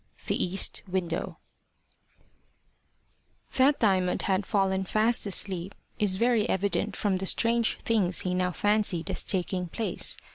THE EAST WINDOW THAT Diamond had fallen fast asleep is very evident from the strange things he now fancied as taking place.